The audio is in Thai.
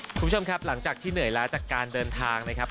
คุณผู้ชมครับหลังจากที่เหนื่อยล้าจากการเดินทางนะครับ